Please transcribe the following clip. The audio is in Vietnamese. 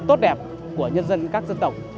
tốt đẹp của nhân dân các dân tộc